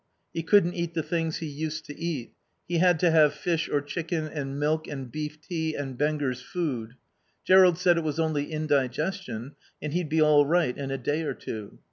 He couldn't eat the things he used to eat; he had to have fish or chicken and milk and beef tea and Benger's food. Jerrold said it was only indigestion and he'd be all right in a day or two.